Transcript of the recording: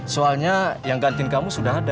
soalnya yang gantiin kamu sudah ada